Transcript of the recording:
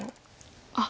あっ